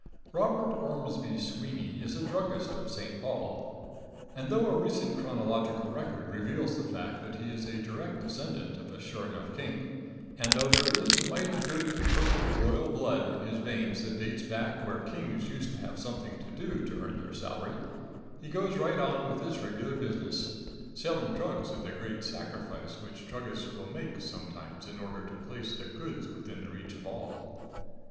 Robert Ormsby Sweeney is a druggist of St. Paul, and though a recent chronological record reveals the fact that he is a direct descendant of a sure enough king, and though there is mighty good purple, royal blood in his veins that dates back where kings used to have something to do to earn their salary, he goes right on with his regular business, selling drugs at the great sacrifice which druggists will make sometimes in order to place their goods within the reach of all.